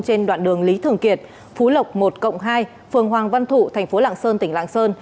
trên đoạn đường lý thường kiệt phú lộc một hai phường hoàng văn thụ tp lạng sơn tỉnh lạng sơn